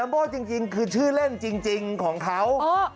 โบ้จริงคือชื่อเล่นจริงของเขา